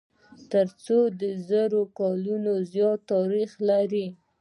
تر څلور زره کلونو زیات تاریخ لري.